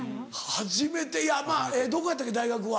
初めてどこやったっけ大学は。